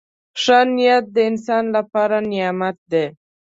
• ښه نیت د انسان لپاره نعمت دی.